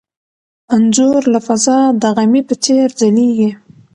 انځور له فضا د غمي په څېر ځلېږي.